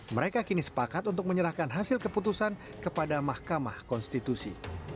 mereka kini sepakat untuk menyerahkan hasil keputusan kepada mahkamah konstitusi